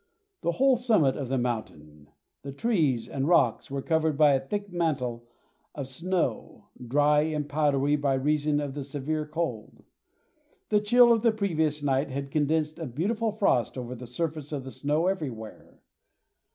The whole summit of the mountain, the trees, and rocks were covered by a thick mantle of snow, dry and powdery by reason of the severe cold. The chill of the previous night had condensed a beautiful frost over the surface of the snow everywhere.